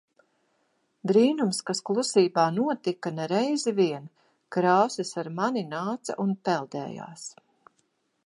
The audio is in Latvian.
Brīnums, kas klusībā notika ne reizi vien. Krāsas ar mani nāca un peldējās.